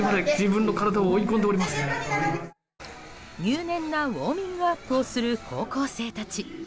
入念なウォーミングアップをする高校生たち。